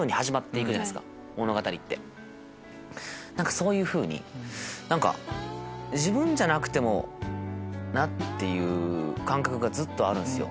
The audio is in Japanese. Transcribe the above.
そういうふうに自分じゃなくてもなっていう感覚がずっとあるんすよ。